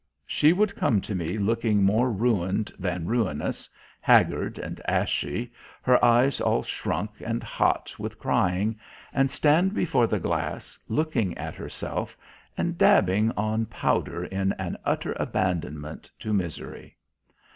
She would come to me looking more ruined than ruinous, haggard and ashy, her eyes all shrunk and hot with crying, and stand before the glass, looking at herself and dabbing on powder in an utter abandonment to misery.